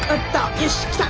よしきた！